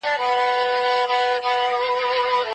خنساء بنت خذام ئې ښکاره مثال دی.